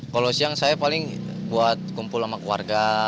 kalau siang saya paling buat kumpul sama keluarga